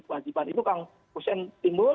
kewajiban itu kang hussein timbul